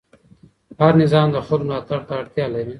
هر نظام د خلکو ملاتړ ته اړتیا لري